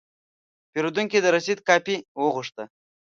پیرودونکی د رسید کاپي وغوښته.